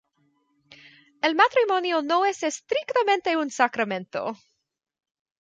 El matrimonio no es estrictamente un sacramento.